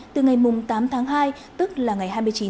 từ ngày mùng tám tháng hai